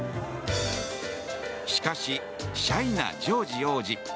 しかし、シャイなジョージ王子。